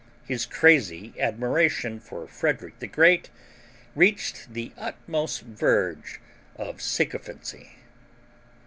His crazy admiration for Frederick the Great reached the utmost verge of sycophancy.